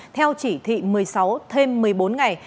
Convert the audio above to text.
theo chỉ thị một mươi sáu thêm một mươi bốn ngày